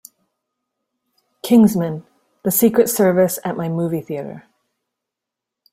Kingsman: The Secret Service at my movie theatre